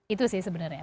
itu sih sebenarnya